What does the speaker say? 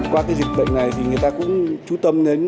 qua cái dịch bệnh này thì người ta cũng chú tâm đến